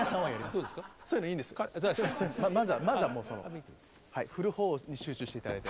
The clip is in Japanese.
まずは振る方に集中していただいて。